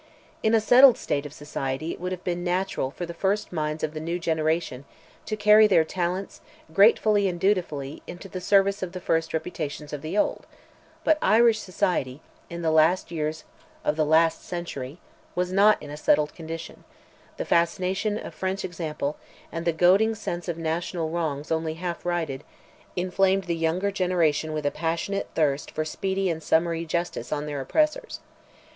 In a settled state of society it would have been natural for the first minds of the new generation to carry their talents, gratefully and dutifully, into the service of the first reputations of the old; but Irish society, in the last years of the last century, was not in a settled condition; the fascination of French example, and the goading sense of national wrongs only half righted, inflamed the younger generation with a passionate thirst for speedy and summary justice on their oppressors.